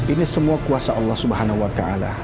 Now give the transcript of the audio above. ini semua kuasa allah swt